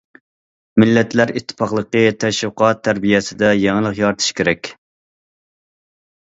مىللەتلەر ئىتتىپاقلىقى تەشۋىقات- تەربىيەسىدە يېڭىلىق يارىتىش كېرەك.